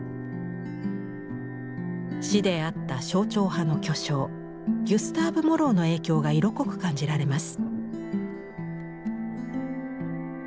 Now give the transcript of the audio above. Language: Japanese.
師であった象徴派の巨匠ギュスターブ・モローの影響が色濃く感じられます。